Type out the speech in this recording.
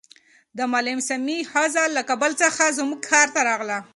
د معلم سمیع ښځه له کابل څخه زموږ ښار ته راغله.